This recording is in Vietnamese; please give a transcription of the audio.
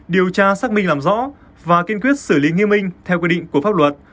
điều tra xác minh làm rõ và kiên quyết xử lý nghiêm minh theo quy định của pháp luật